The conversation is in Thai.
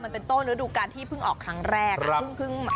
มันเป็นต้นฤดูการที่เพิ่งออกครั้งแรก